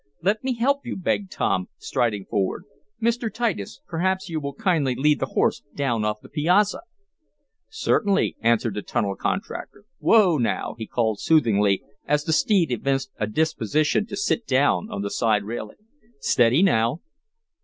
"Let me help you!" begged Tom, striding forward. "Mr. Titus, perhaps you will kindly lead the horse down off the piazza?" "Certainly!" answered the tunnel contractor. "Whoa now!" he called soothingly, as the steed evinced a disposition to sit down on the side railing. "Steady now!"